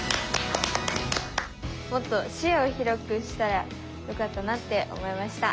もっと視野を広くしたらよかったなって思いました。